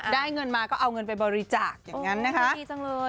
ได้เงินมาก็เอาเงินไปบริจาคอย่างนั้นนะคะ